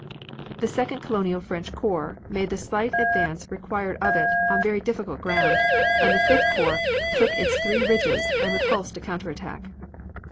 The Second Colonial French Corps made the slight advance required of it on very difficult ground, and the Fifth Corps took its three ridges and repulsed a counter attack.